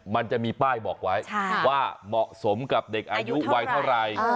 มันจะมีป้ายบอกไว้ว่าเหมาะสมกับเด็กอายุวัยเท่าไหร่